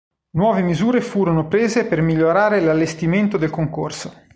Nuove misure furono prese per migliorare l'allestimento del concorso.